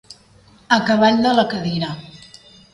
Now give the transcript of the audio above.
A cavall de la cadira.